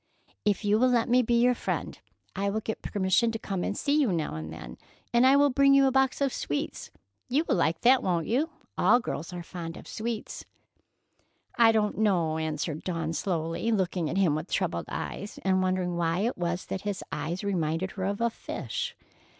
"If you will let me be your friend, I will get permission to come and see you now and then, and I will bring you a box of sweets. You will like that, won't you? All girls are fond of sweets." "I don't know," answered Dawn slowly, looking at him with troubled eyes, and wondering why it was that his eyes reminded her of a fish.